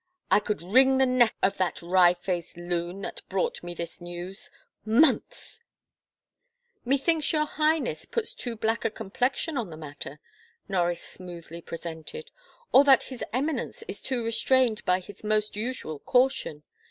I could wring the neck of that wry faced loon that brought me this news. ,.. Months !"" Methinks your Highness puts too black a complexion on the matter," Norris smoothly presented. " Or that his Eminence is too restrained by his most usual caution.